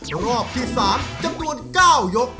รอบที่๓จำนวน๙ยก